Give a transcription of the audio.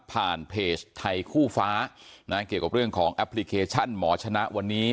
เพจไทยคู่ฟ้านะเกี่ยวกับเรื่องของแอปพลิเคชันหมอชนะวันนี้